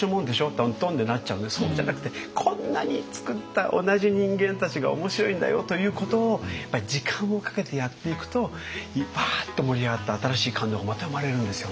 とんとん」でなっちゃうんでそうじゃなくてこんなに作った同じ人間たちが面白いんだよということをやっぱり時間をかけてやっていくとわっと盛り上がって新しい感動がまた生まれるんですよね。